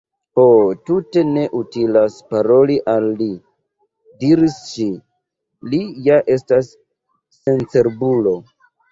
"Ho, tute ne utilas paroli al li," diris ŝi, "li ja estas sencerbulo.